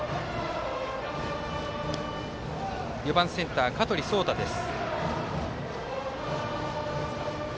バッター４番センター、香取蒼太です。